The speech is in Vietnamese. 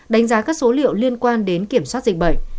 đánh giá các số liệu liên quan đến kiểm soát dịch bệnh